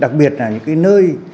đặc biệt là những nơi